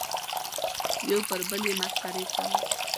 یو پر بل یې مسخرې کولې.